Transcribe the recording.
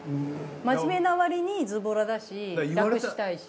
まじめなわりにズボラだし楽したいし。